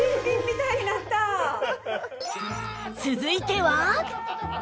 続いては